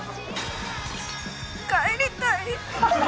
帰りたい。